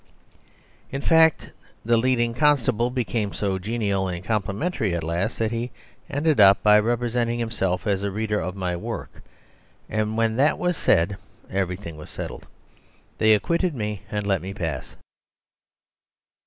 In fact the leading constable became so genial and complimentary at last that he ended up by representing himself as a reader of my work. And when that was said, everything was settled. They acquitted me and let me pass.